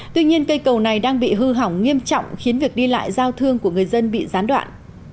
tuy nhiên cây cầu này đang bị hư hỏng nghiêm trọng khiến việc đi lại giao thương của người dân bị gián đoạn